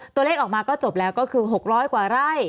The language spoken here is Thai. ตัวเลขออกมาก็จบแล้วก็คือ๖๐๐กว่าไร่